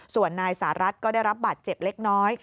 ส่วนนายสหรัฐก็ได้รับบาดเจ็บเล็กน้อย